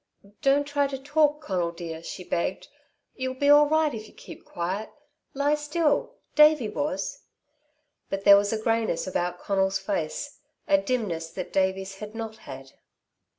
"Don't try to talk, Conal dear," she begged. "You'll be all right if you keep quiet lie still Davey was." But there was a greyness about Conal's face, a dimness that Davey's had not had.